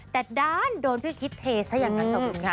แต่ด้านโดนพี่คิดเทซะอย่างนั้นขอบคุณค่ะ